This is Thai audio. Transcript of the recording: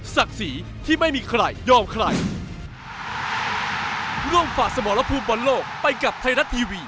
ศักดิ์ศรีที่ไม่มีใครยอมใคร